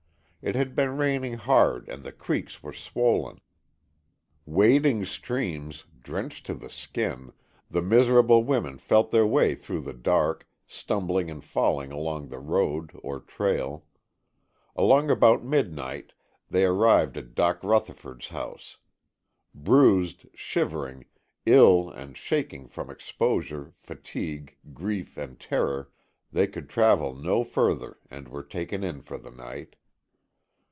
It had been raining hard and the creeks were swollen. Wading streams, drenched to the skin, the miserable women felt their way through the dark, stumbling and falling along the road, or trail. Along about midnight they arrived at Dock Rutherford's house. Bruised, shivering, ill and shaking from exposure, fatigue, grief and terror, they could travel no further, and were taken in for the night.